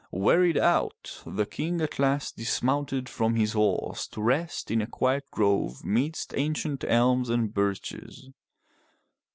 Wearied out, the King at last dismounted from his horse to rest in a quiet grove midst ancient elms and birches.